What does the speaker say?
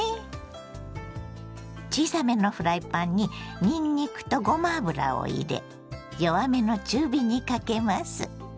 小さめのフライパンににんにくとごま油を入れ弱めの中火にかけます。